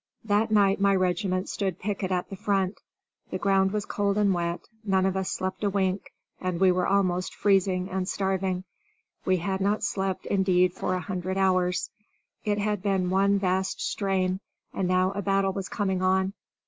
That night my regiment stood picket at the front. The ground was cold and wet, none of us slept a wink, and we were almost freezing and starving. We had not slept, indeed, for a hundred hours. It had been one vast strain, and now a battle was coming on.